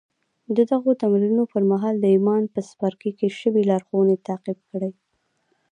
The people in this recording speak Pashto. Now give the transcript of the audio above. د دغو تمرينونو پر مهال د ايمان په څپرکي کې شوې لارښوونې تعقيب کړئ.